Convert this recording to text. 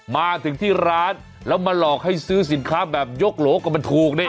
มาถึงที่ร้านแล้วมาหลอกให้ซื้อสินค้าแบบยกโหลก็มันถูกนี่